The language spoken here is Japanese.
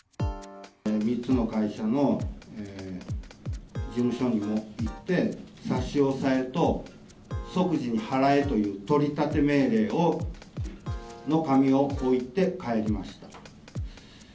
３つの会社の事務所にも行って、差し押さえと即時に払えという取り立て命令の紙を置いて帰りました。